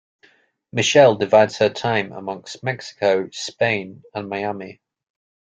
Michel divides her time amongst Mexico, Spain, and Miami.